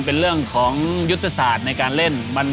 เป็นเรื่องของยุตภาษาในการเล่น